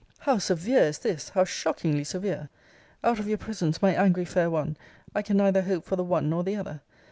How severe is this! How shockingly severe! Out of your presence, my angry fair one, I can neither hope for the one nor the other.